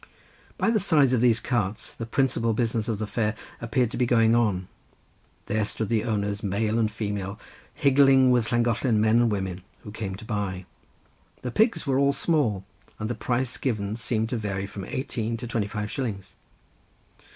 By the sides of these carts the principal business of the fair appeared to be going on—there stood the owners male and female, higgling with Llangollen men and women, who came to buy. The pigs were all small, and the price given seemed to vary from eighteen to twenty five shillings.